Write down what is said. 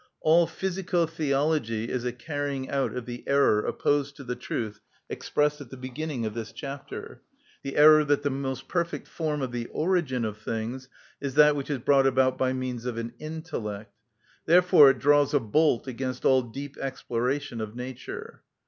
All physico‐theology is a carrying out of the error opposed to the truth expressed at the beginning of this chapter—the error that the most perfect form of the origin of things is that which is brought about by means of an intellect. Therefore it draws a bolt against all deep exploration of nature.